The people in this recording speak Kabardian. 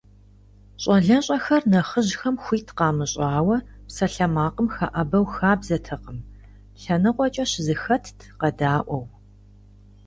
ЩӀалэщӀэхэр нэхъыжьхэм хуит къамыщӀауэ псалъэмакъым хэӀэбэу хабзэтэкъыми, лъэныкъуэкӀэ щызэхэтт, къэдаӀуэу.